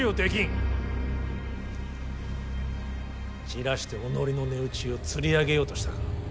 じらして己の値打ちをつり上げようとしたか。